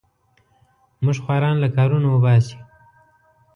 موږ خواران له کارونو وباسې.